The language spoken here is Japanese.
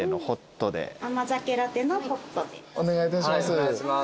お願いいたします。